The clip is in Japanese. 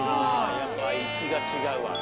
やっぱ生きが違うわな。